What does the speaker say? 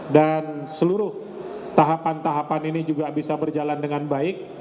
dan seluruh tahapan tahapan ini juga bisa berjalan dengan baik